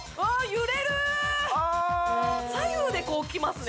揺れる左右でこうきますね